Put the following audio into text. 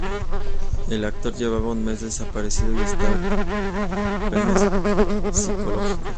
El actor llevaba un mes desaparecido y estaba en tratamiento por problemas psicológicos.